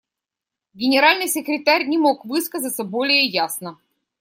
Генеральный секретарь не мог высказаться более ясно.